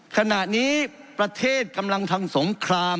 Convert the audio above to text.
ขณะนี้ประเทศกำลังทำสงคราม